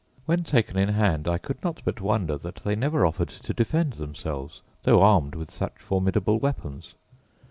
When taken in hand I could not but wonder that they never offered to defend themselves, though armed with such formidable weapons.